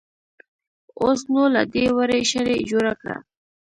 اوس نو له دې وړۍ شړۍ جوړه کړه.